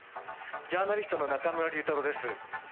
ジャーナリストの中村竜太郎です。